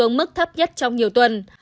gấp nhất trong nhiều tuần